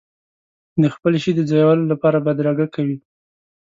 د خپل شي د ځایولو لپاره بدرګه کوي.